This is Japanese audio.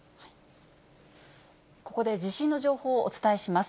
ここで地震の情報をお伝えします。